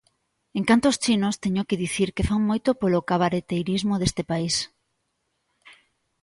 En canto aos chinos, teño que dicir que fan moito polo cabareteirismo deste país.